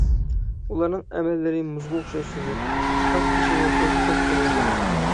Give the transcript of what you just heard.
ئۇلارنىڭ ئەمەللىرى مۇزغا ئوخشاش سۈزۈك، قاشتېشىغا ئوخشاش پاك بولىدۇ.